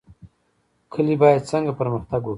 کلي باید څنګه پرمختګ وکړي؟